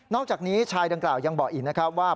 อกจากนี้ชายดังกล่าวยังบอกอีกนะครับว่า